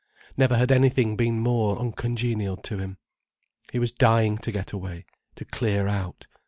Never had anything been more uncongenial to him. He was dying to get away—to clear out.